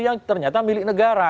yang ternyata milik negara